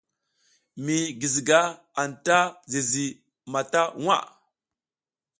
Mi guiziga anta si zizi mata waʼa.